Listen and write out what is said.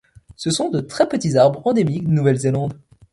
Ce sont de très petits arbres endémiques de Nouvelle-Zélande.